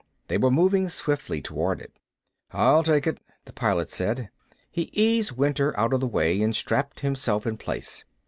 They were moving swiftly toward it. "I'll take it," the Pilot said. He eased Winter out of the way and strapped himself in place.